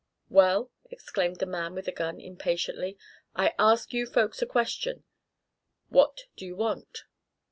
"Well," exclaimed the man with the gun, impatiently, "I ask you folks a question. What do you want?"